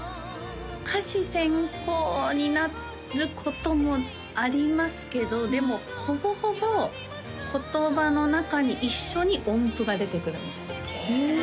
歌詞先行になることもありますけどでもほぼほぼ言葉の中に一緒に音符が出てくるみたいなはあ